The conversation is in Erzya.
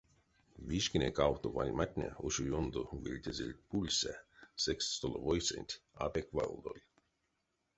Вишкине кавто вальматне ушо ёндо вельтязельть пульсэ, секс столовойсэнть а пек валдоль.